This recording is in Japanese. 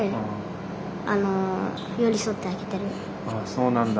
そうなんだ。